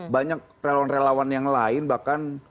banyak relawan relawan yang lain bahkan